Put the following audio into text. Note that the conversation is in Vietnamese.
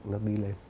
nó đi lên